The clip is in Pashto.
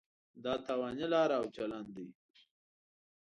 دا تاواني لاره او چلن دی.